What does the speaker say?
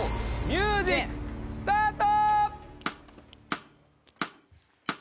ミュージックスタート！